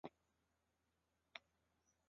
本作品是银魂首部电影化的作品。